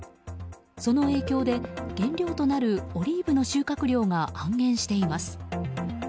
その影響で原料となるオリーブの収穫量が半減しています。